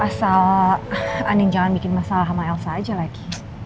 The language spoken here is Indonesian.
asal andi jangan bikin masalah sama elsa aja lagi